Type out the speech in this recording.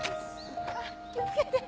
あっ気をつけて！